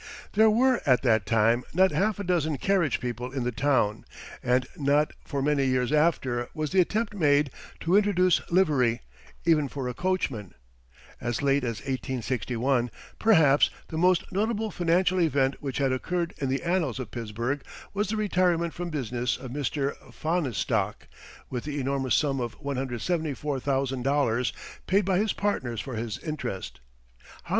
There were at that time not half a dozen "carriage" people in the town; and not for many years after was the attempt made to introduce livery, even for a coachman. As late as 1861, perhaps, the most notable financial event which had occurred in the annals of Pittsburgh was the retirement from business of Mr. Fahnestock with the enormous sum of $174,000, paid by his partners for his interest.